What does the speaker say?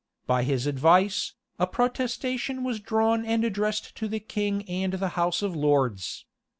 By his advice, a protestation was drawn and addressed to the king and the house of lords.